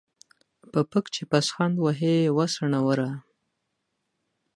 په پک چې پوسخند وهې ، وا څوڼوره.